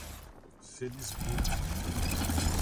Felisburgo